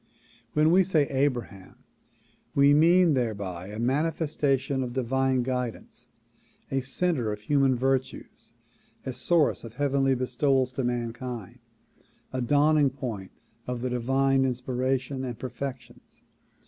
When we say "Abraham" we mean thereby a manifestation of divine guidance, a center of human virtues, a source of heavenly bestowals to mankind, a dawning point of divine inspiration and perfections.